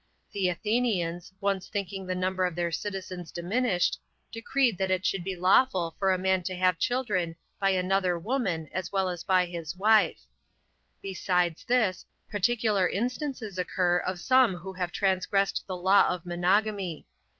The Athenians, once thinking the number of their citizens diminished, decreed that it should be lawful for a man to have children by another woman as well as by his wife; besides this, particular instances occur of some who have transgressed the law of monogamy.